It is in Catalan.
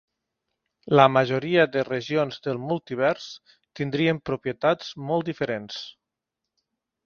La majoria de regions del multivers tindrien propietats molt diferents.